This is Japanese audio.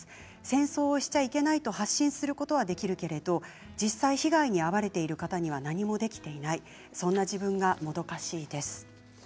戦争をしちゃいけないと発信することはできるけれど実際、被害に遭われている方には何もできていないそんな自分が、もどかしいです。